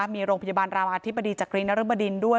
มีโรงพยาบาลรามาธิบดีจากกรีนรบดินด้วย